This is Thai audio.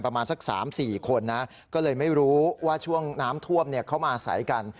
ประมาณสัก๓๔คนนะก็เลยไม่รู้ว่าช่วงน้ำท่วมเขามาอาศัยกัน